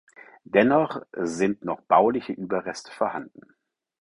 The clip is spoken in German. Dennoch sind noch bauliche Überreste vorhanden.